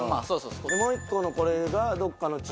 もう１個のこれがどっかの違う。